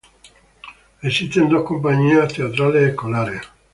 Existen dos compañías teatrales escolares.